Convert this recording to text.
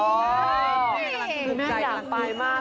คือแม่อย่างฝายมาก